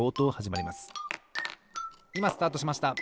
いまスタートしました！